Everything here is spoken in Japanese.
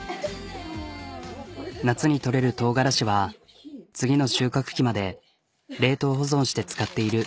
夏に採れるとうがらしは次の収穫期まで冷凍保存して使っている。